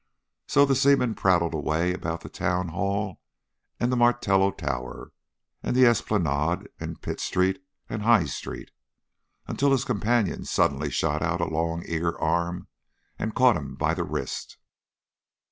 So the seaman prattled away about the Town Hall and the Martello Tower, and the Esplanade, and Pitt Street and the High Street, until his companion suddenly shot out a long eager arm and caught him by the wrist.